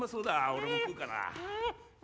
俺も食うかな。